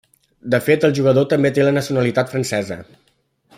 De fet el jugador té també la nacionalitat francesa.